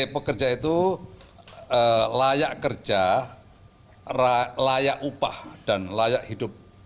pekerja itu layak kerja layak upah dan layak hidup